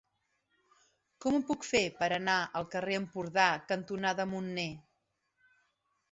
Com ho puc fer per anar al carrer Empordà cantonada Munner?